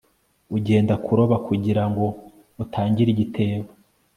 ugenda kuroba kugirango utangire igitebo